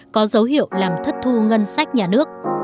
có dấu hiệu làm thất thu ngân sách nhà nước